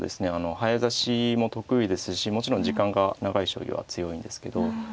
早指しも得意ですしもちろん時間が長い将棋は強いんですけど。